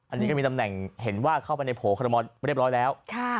อันนี้ก็มีตำแหน่งเห็นว่าเข้าไปในโผล่คอรมอลเรียบร้อยแล้ว